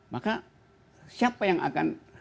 maka siapa yang akan